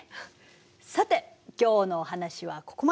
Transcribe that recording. さて今日のお話はここまで。